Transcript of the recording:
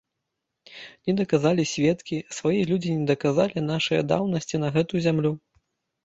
Не даказалі сведкі, свае людзі не даказалі нашае даўнасці на гэту зямлю.